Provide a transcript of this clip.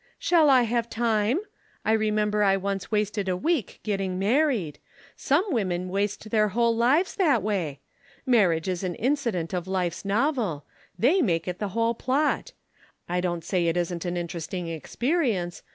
"Shall I have time? I remember I once wasted a week getting married. Some women waste their whole lives that way. Marriage is an incident of life's novel they make it the whole plot. I don't say it isn't an interesting experience.